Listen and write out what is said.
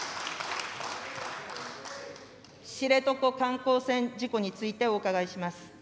知床観光船事故についてお伺いします。